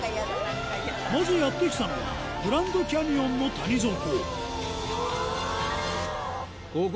まずやって来たのはグランドキャニオンの谷底